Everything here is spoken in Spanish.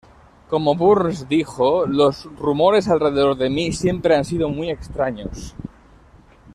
Como Burns dijo: "Los rumores alrededor de mí siempre han sido muy extraños".